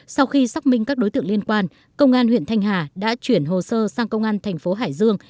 sau khi xác minh các đối tượng liên quan công an huyện thanh hà đã chuyển hồ sơ sang công an thành phố hải dương